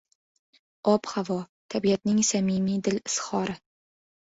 Ob-havo — tabiatning samimiy dil izhori.